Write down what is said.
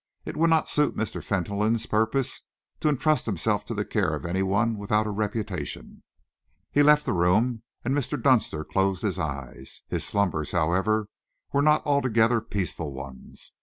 It would not suit Mr. Fentolin's purpose to entrust himself to the care of any one without a reputation." He left the room, and Mr. Dunster closed his eyes. His slumbers, however, were not altogether peaceful ones.